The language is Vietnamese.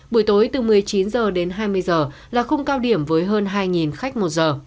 buổi tối từ một mươi chín h đến hai mươi h là khung cao điểm với hơn hai khách một h